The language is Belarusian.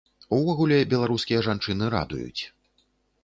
Увогуле, беларускія жанчыны радуюць.